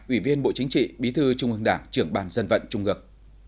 ủy viên bộ chính trị bí thư trung ương đảng trưởng bàn dân vận trung ương